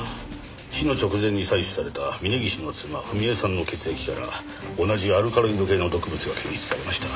死の直前に採取された峰岸の妻文江さんの血液から同じアルカロイド系の毒物が検出されました。